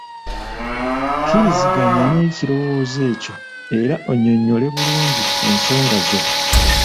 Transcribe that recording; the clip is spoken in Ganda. Kkiriziganya n’ekirowoozo ekyo era onnyonnyole bulungi ensonga zo.